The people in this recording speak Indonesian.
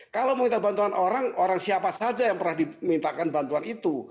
kalau meminta bantuan orang orang siapa saja yang pernah dimintakan bantuan itu